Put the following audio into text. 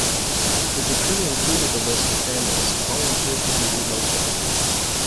The decree included the list of families who volunteered to be relocated.